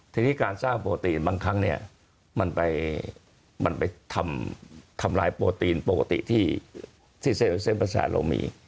ทีนี้การสร้างโปรตีนบางครั้งเนี่ยมันไปมันไปทำลายโปรตีนปกติที่เส้นประสาทเรามี